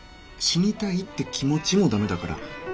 死にたいって気持ちも駄目だから。